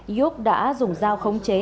iuk đã dùng dao khống chế